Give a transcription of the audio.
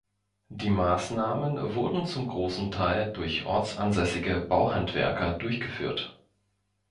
Die Maßnahmen wurden zum großen Teil durch ortsansässige Bauhandwerker durchgeführt.